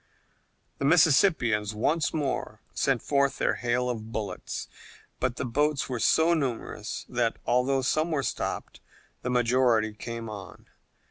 The Mississippians once more sent forth their hail of bullets, but the boats were so numerous that, although some were stopped, the majority came on.